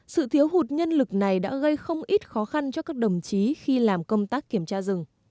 sự thiếu hụt nhân lực này đã gây không ít khó khăn cho các đồng chí khi làm công tác kiểm tra rừng